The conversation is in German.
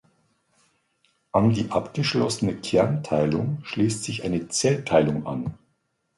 An die abgeschlossene Kernteilung schließt sich eine Zellteilung an.